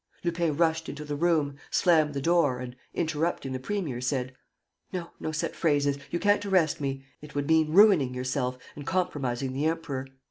Lupin rushed into the room, slammed the door and, interrupting the premier, said: "No, no set phrases, you can't arrest me. ... It would mean ruining yourself and compromising the Emperor.